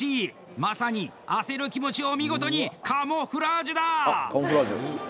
まさに焦る気持ちを見事に鴨フラージュだ！